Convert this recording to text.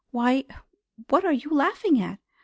Why, what are you laughing at?"